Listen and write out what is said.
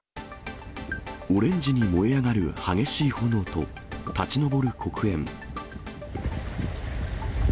オレンジに燃え上がる激しい炎と、立ち上る黒煙。